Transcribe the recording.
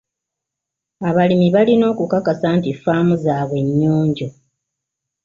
Abalimi balina okukakasa nti ffaamu zaabwe nnyonjo.